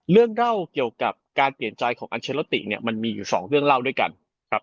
เรื่องเล่าเกี่ยวกับการเปลี่ยนใจของอัลเชลโลติเนี่ยมันมีอยู่สองเรื่องเล่าด้วยกันครับ